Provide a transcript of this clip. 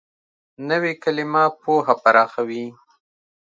نوې کلیمه پوهه پراخوي